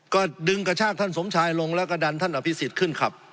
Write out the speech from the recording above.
ก็ดึงกระชากท่านสมชายลงแล้วก็ดันท่านอภิษฎขึ้นขับ